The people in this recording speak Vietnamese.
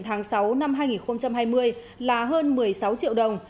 tháng sáu năm hai nghìn hai mươi là hơn một mươi sáu triệu đồng